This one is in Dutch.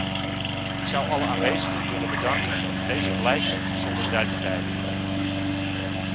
Ik zou alle aanwezigen willen bedanken voor deze blijken van solidariteit.